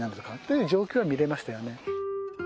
いう状況が見れましたよね。